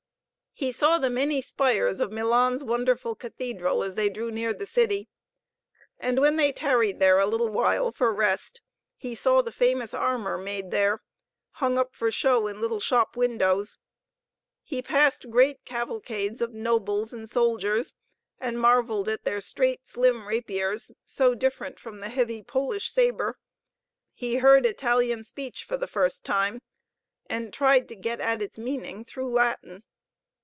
He saw the many spires of Milan's wonderful cathedral as they drew near the city. And when they tarried there a little while for rest, he saw the famous armor made there, hung up for show in little shop windows. He passed great cavalcades of nobles and soldiers, and marvelled at their straight, slim rapiers, so different from the heavy Polish saber. He heard Italian speech for the first time, and tried to get at its meaning through his Latin.